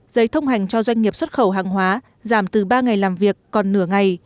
giấy thông hành cho doanh nghiệp xuất khẩu hàng hóa giảm từ ba ngày làm việc còn nửa ngày